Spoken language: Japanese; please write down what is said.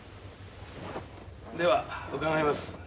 では伺います。